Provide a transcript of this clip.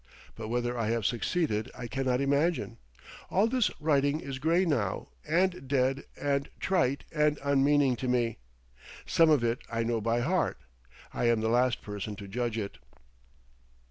But whether I have succeeded I cannot imagine. All this writing is grey now and dead and trite and unmeaning to me; some of it I know by heart. I am the last person to judge it.